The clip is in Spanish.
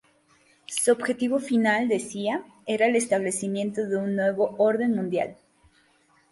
Su objetivo final, decía, era el establecimiento de un Nuevo Orden Mundial.